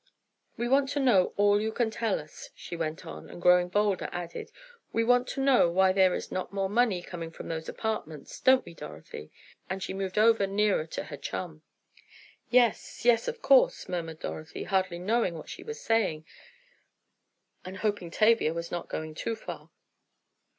"We want to know all you can tell us," she went on, and, growing bolder, added: "We want to know why there is not more money coming from those apartments; don't we, Dorothy?" and she moved over nearer to her chum. "Yes—yes, of course," murmured Dorothy, hardly knowing what she was saying, and hoping Tavia was not going too far.